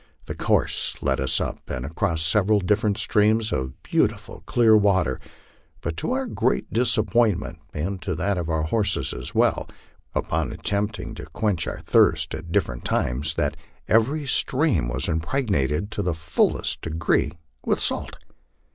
The course led us up and across several different streams of beautiful, clear water; but to our great disappointment, and to that of our horses as well, we discovered, upon attempting to quench our thirst at differ ent times, that every stream was impregnated to the fullest degree with salt.